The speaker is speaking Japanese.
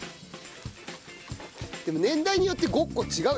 でも年代によってごっこ違うでしょ多分。